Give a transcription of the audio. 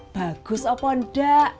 bagus apa enggak